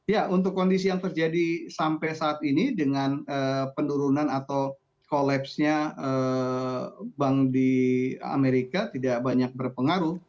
ya untuk kondisi yang terjadi sampai saat ini dengan penurunan atau kolapsnya bank di amerika tidak banyak berpengaruh